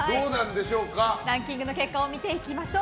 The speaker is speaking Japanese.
ランキングの結果を見ていきましょう。